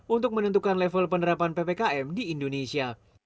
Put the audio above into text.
untuk menentukan level penerapan ppkm di indonesia